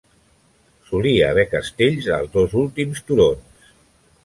Solia haver castells als dos últims turons.